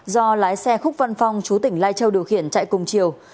do lái xe khúc văn phong chú tỉnh lai châu điều khiển chạy cùng chiều